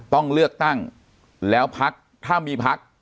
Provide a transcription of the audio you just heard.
ต้องเลือกตั้งแล้วพักถ้ามีพัก